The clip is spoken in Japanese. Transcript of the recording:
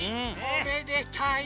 おめでたい。